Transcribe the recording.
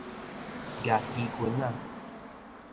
攑旗軍仔